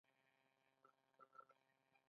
دا په دښته کې د جنت نښه ده.